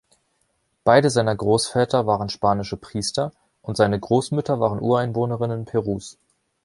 Beide seiner Großväter waren spanische Priester, und seine Großmütter waren Ureinwohnerinnen Perus.